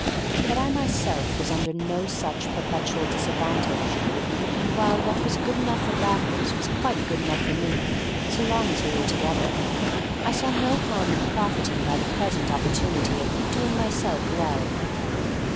But I myself was under no such perpetual disadvantage, and, while what was good enough for Raffles was quite good enough for me so long as we were together, I saw no harm in profiting by the present opportunity of "doing myself well."